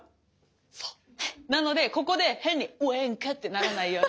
そうなのでここで変に「ウインカ」ってならないように。